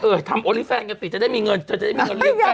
ทำโอลี่แฟนกันสิจะได้มีเงินเธอจะได้มีเงินเลี้ยงกัน